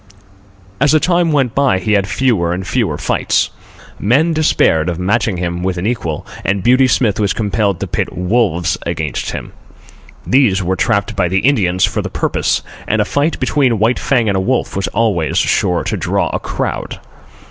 As the time went by, he had fewer and fewer fights. Men despaired of matching him with an equal, and Beauty Smith was compelled to pit wolves against him. These were trapped by the Indians for the purpose, and a fight between White Fang and a wolf was always sure to draw a crowd.